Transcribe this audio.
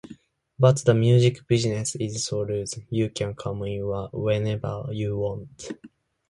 But the music business is so loose, you can come in whenever you want.